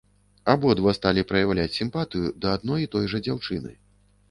Абодва сталі праяўляць сімпатыю да адной і той жа дзяўчыны.